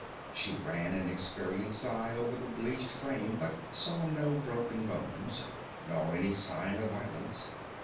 She ran an experienced eye over the bleached frame, but saw no broken bones nor any sign of violence.